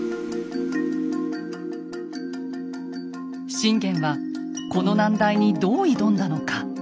信玄はこの難題にどう挑んだのか。